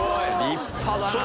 立派だなあ。